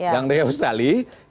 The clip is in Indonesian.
yang dari australia